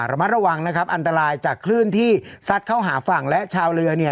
ระมัดระวังนะครับอันตรายจากคลื่นที่ซัดเข้าหาฝั่งและชาวเรือเนี่ย